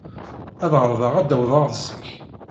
Ad ɛerḍeɣ ad d-awḍeɣ zik.